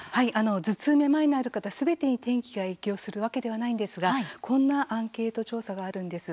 頭痛、めまいのある方すべてに天気が影響するわけではないんですがこんなアンケート調査があるんです。